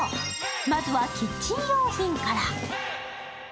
まずはキッチン用品から。